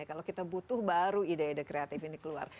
kalau kita butuh baru ide ide kreatif ini keluar